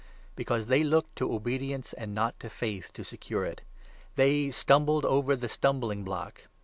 Because 32 they looked to obedience, and not to faith, to secure it. They stumbled over ' the Stumbling block.'